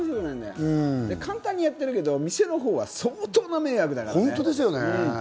簡単にやってるけど、店のほうは相当な迷惑だからね。